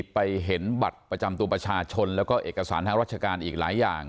ไปเห็นบัตรประจำตัวประชาชนแล้วก็เอกสารทางราชการอีกหลายอย่าง